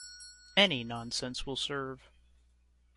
Any nonsense will serve.